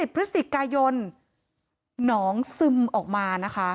พฤศจิกายนหนองซึมออกมานะคะ